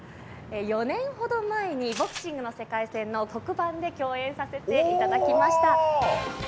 ４年ほど前に、ボクシングの世界戦の特番で共演させていただきました。